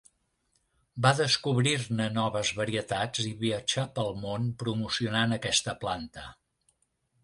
Va descobrir-ne noves varietats i viatjà pel món promocionant aquesta planta.